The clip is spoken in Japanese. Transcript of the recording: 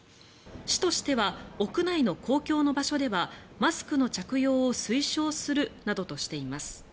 市としては屋内の公共の場所ではマスクの着用を推奨するなどとしています。